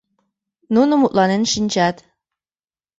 Нуно мутланен шинчат.